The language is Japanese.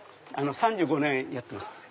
３５年やってます。